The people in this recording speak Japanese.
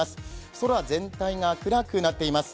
空全体が暗くなっています。